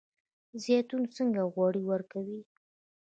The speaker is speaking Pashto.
زیتون څنګه غوړي ورکوي؟